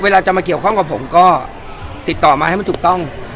จะมาเกี่ยวข้องกับผมก็ติดต่อมาให้มันถูกต้อง